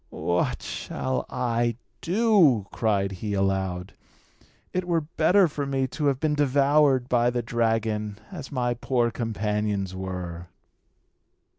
"What shall I do?" cried he aloud. "It were better for me to have been devoured by the dragon, as my poor companions were."